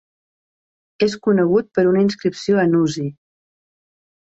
És conegut per una inscripció a Nuzi.